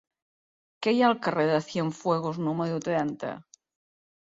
Què hi ha al carrer de Cienfuegos número trenta?